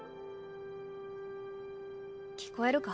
聞こえるか？